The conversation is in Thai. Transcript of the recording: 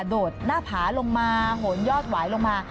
โดดหน้าผาลงมาโหนยอดหวายลงมา